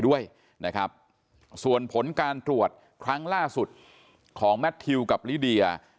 ด้วยนะครับส่วนผลการตรวจครั้งล่าสุดของแมททิวกับลิเดีย